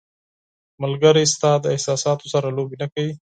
ملګری ستا له احساساتو سره لوبې نه کوي.